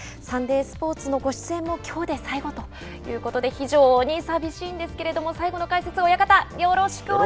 サンデースポーツのご出演もきょうで最後ということで非常に寂しいんですけれども最後の解説親方